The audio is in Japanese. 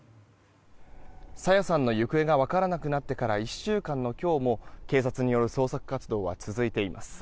朝芽さんの行方が分からなくなってから１週間の今日も警察による捜索活動は続いています。